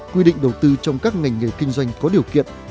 quy định đầu tư trong các ngành nghề kinh doanh có điều kiện